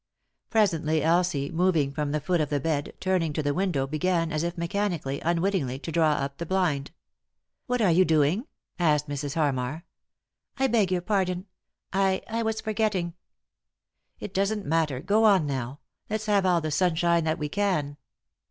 Presently Elsie, moving from the foot of the bed, turning to the window, began, as if mechanically, unwittingly, to draw up the blind. " What are yon doing ?" asked Mrs. Harmar. " I beg your pardon ; I— I was forgetting." " It doesn't matter, go on now ; let's have all the sunshine that we can."